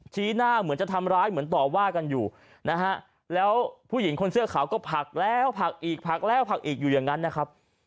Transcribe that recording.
ชี้หน้าเหมือนจะทำร้ายเหมือนต่อว่ากันอยู่นะฮะแล้วผู้หญิงคนเสื้อขาวก็ผักแล้วผักอีกผักแล้วผักอีกอยู่อย่างนั้นนะครับ